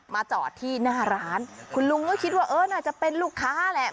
จอดที่หน้าร้านคุณลุงก็คิดว่าเออน่าจะเป็นลูกค้าแหละ